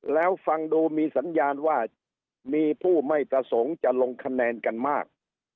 แล้วฟังดูมีสัญญาณว่ามีผู้ไม่ประสงค์จะลงคะแนนกันมาก